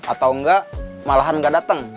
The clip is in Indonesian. atau enggak malahan nggak datang